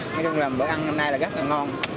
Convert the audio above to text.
nói chung là bữa ăn năm nay là rất là ngon